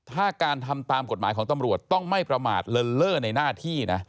ถ้าการทำตามกฎหมายของตำรวจต้องไม่ประมาทเลินเล่อในหน้าที่นะ